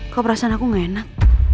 kok perasaan aku gak enak